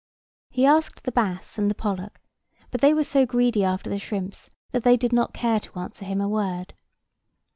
He asked the bass and the pollock; but they were so greedy after the shrimps that they did not care to answer him a word.